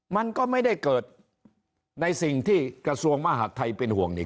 มันก็ไม่ได้เกิดในสิ่งที่กระทรวงมหาดไทยเป็นห่วงนี่